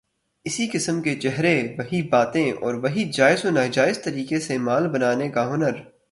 اسی قسم کے چہرے، وہی باتیں اور وہی جائز و ناجائز طریقے سے مال بنانے کا ہنر۔